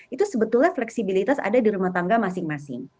itu sebetulnya fleksibilitas ada di rumah tangga masing masing